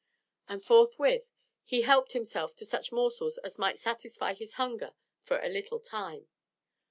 And forthwith he helped himself to such morsels as might satisfy his hunger for a little time.